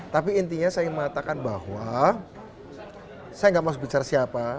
tapi intinya saya ingin mengatakan bahwa saya tidak mau bicara siapa